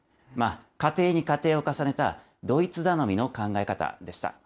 仮定に仮定を重ねた、ドイツ頼みの考え方でした。